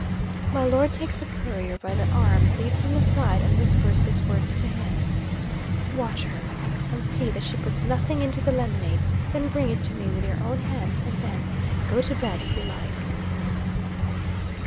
My Lord takes the Courier by the arm, leads him aside, and whispers these words to him: "Watch her, and see that she puts nothing into the lemonade; then bring it to me with your own hands; and, then, go to bed, if you like."